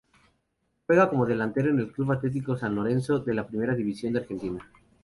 Juega como delantero en Club Atletico San Lorenzo de la Primera División de Argentina.